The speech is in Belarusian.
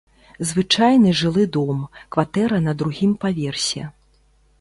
Звычайны жылы дом, кватэра на другім паверсе.